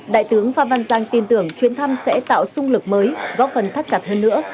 đại tướng phan văn giang tin tưởng chuyến thăm sẽ tạo sung lực mới góp phần thắt chặt hơn nữa